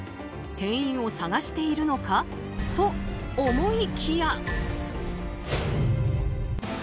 店員を探しているのかと思いきや。